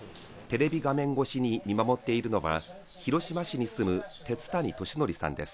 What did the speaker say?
テレビ画面越しに見守っているのが広島市に住む鉄谷敏則さんです。